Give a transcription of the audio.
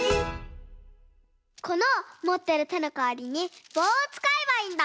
このもってるてのかわりにぼうをつかえばいいんだ。